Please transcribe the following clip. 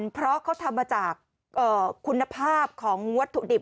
เพราะเขาทำมาจากคุณภาพของวัตถุดิบ